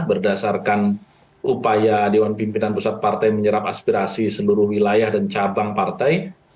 berdasarkan upaya dewan pimpinan pusat partai menyerap aspirasi seluruh wilayah dan cabang partai